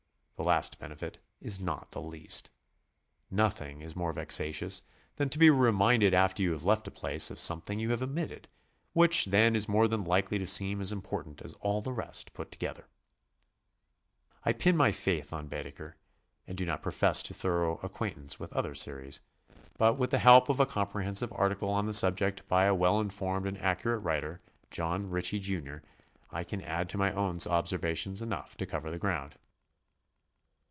The last benefit is not the least. Nothing is more vexatious than to be reminded after you have left a place of something you have omitted, which then is more than likely to seem as important as all the rest put together. 1 pin my faith on Baedeker and do not profess to thor ough acquaintance with other series, but with the help of a comprehensive article on the subject by a well informed and accurate writer, John Ritchie, Jr., I can add to my own ob servations enough to cover the ground.